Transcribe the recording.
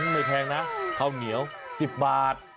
ไม่แพงนะข้าวเหนียว๑๐บาท